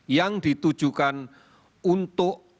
yang ditujukan untuk